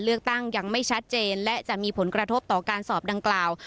เลือกตั้งยังไม่ชัดเจนและจะมีผลกระทบต่อการสอบดังกล่าว